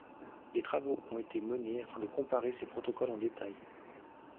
Des travaux ont été menés afin de comparer ces protocoles en détail.